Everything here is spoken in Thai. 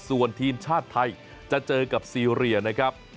ส่วนทีมชาติไทยจะเจอกับซีเรียนะครับ